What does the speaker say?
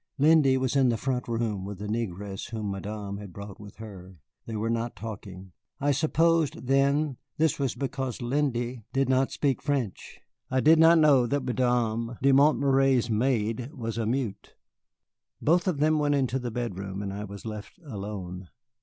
Lindy was in the front room with the negress whom Madame had brought with her. They were not talking. I supposed then this was because Lindy did not speak French. I did not know that Madame de Montméry's maid was a mute. Both of them went into the bedroom, and I was left alone.